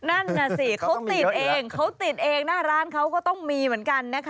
นั่นสิเขาติดเองร้านเขาก็ต้องมีเหมือนกัน